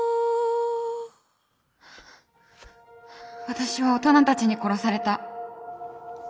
私は大人たちに殺された。